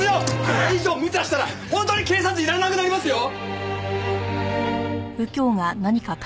これ以上むちゃしたら本当に警察にいられなくなりますよ！